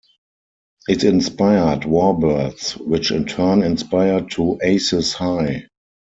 It inspired "WarBirds", which in turn inspired to "Aces High".